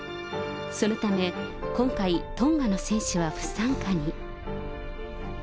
そのため、今回、トンガの選手は不参加に。